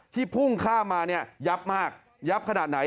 พุ่งข้ามมาเนี่ยยับมากยับขนาดไหน